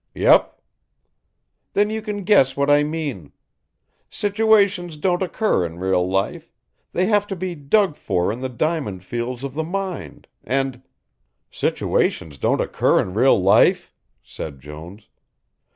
"Yep." "Then you can guess what I mean. Situations don't occur in real life, they have to be dug for in the diamond fields of the mind and " "Situations don't occur in real life!" said Jones.